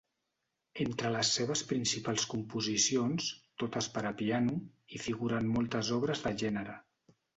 Entre les seves principals composicions, totes per a piano, hi figuren moltes obres de gènere.